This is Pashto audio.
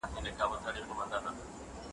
د خلګو غوښتنو سياسي نظامونه بدل کړل.